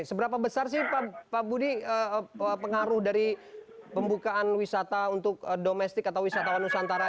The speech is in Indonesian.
seberapa besar sih pak budi pengaruh dari pembukaan wisata untuk domestik atau wisatawan nusantara